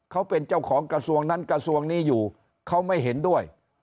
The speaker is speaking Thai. เขาเป็นเจ้าของกระทรวงนั้นกระทรวงนี้อยู่เขาไม่เห็นด้วย